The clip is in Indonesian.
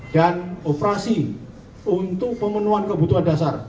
dan operasi untuk pemenuhan kebutuhan dasar